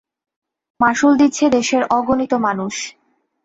মাশুল দিচ্ছে দেশের অগণিত মানুষ।